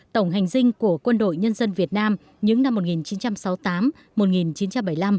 tổng hành dinh của quân đội nhân dân việt nam những năm một nghìn chín trăm sáu mươi tám một nghìn chín trăm bảy mươi năm